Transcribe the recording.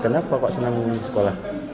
kenapa kok senang sekolah